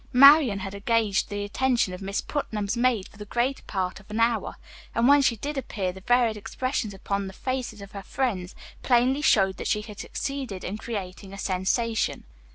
Marian had engaged the attention of Miss Putnam's maid for the greater part of an hour, and when she did appear the varied expressions upon the faces of her friends plainly showed that she had succeeded in creating a sensation.